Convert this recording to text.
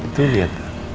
itu lihat dok